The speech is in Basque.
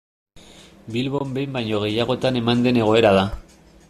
Bilbon behin baino gehiagotan eman den egoera da.